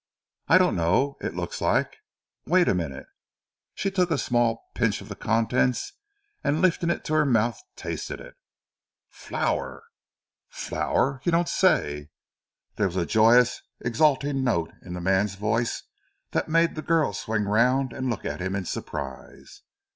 "I don't know. It looks like wait a minute!" she took a small pinch of the contents and lifting it to her mouth, tasted it. "Flour!" "Flour! You don't say?" There was a joyous exalting note in the man's voice that made the girl swing round and look at him in surprise.